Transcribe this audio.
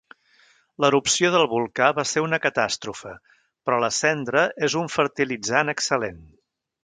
L'erupció del volcà va ser una catàstrofe, però la cendra és un fertilitzant excel·lent.